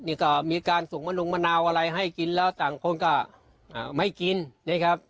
นี่ก็มีการส่งมะนงมะนาวอะไรให้กินแล้วต่างคนก็ไม่กินนี่ครับ